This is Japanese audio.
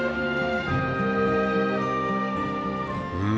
うん！